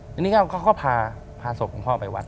ทีนี้เขาก็พาศพของพ่อไปวัด